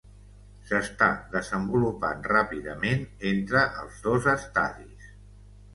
S'està desenvolupant ràpidament entre els dos estadis.